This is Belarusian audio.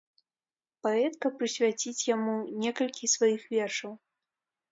Паэтка прысвяціць яму некалькі сваіх вершаў.